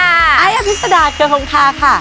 ไอล์อภิกษฎาเกิงพงฆาค่ะ